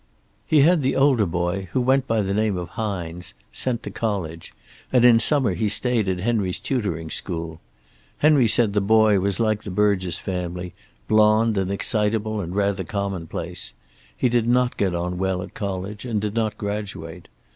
He had the older boy, who went by the name of Hines, sent to college, and in summer he stayed at Henry's tutoring school. Henry said the boy was like the Burgess family, blonde and excitable and rather commonplace. He did not get on well at college, and did not graduate.